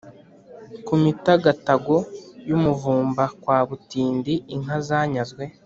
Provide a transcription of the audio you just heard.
ku mitagatago y’umuvumba kwa kabutindi inka zanyazwe;